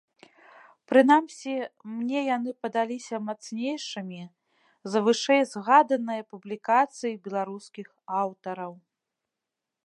Прынамсі, мне яны падаліся мацнейшымі за вышэй згаданыя публікацыі беларускіх аўтараў.